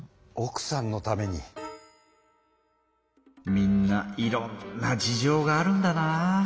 みんないろんな事情があるんだな。